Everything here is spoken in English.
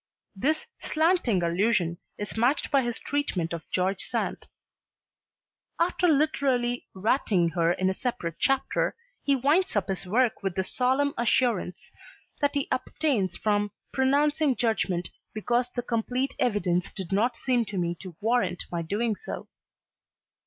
This slanting allusion is matched by his treatment of George Sand. After literally ratting her in a separate chapter, he winds up his work with the solemn assurance that he abstains "from pronouncing judgment because the complete evidence did not seem to me to warrant my doing so."